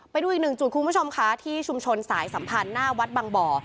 ไปดูอีกหนึ่งจุดคุณผู้ชมค่ะที่ชุมชนสายสัมพันธ์หน้าวัดบางบ่อ